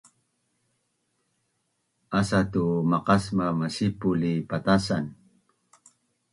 asa tu maqasmav masipul li patasan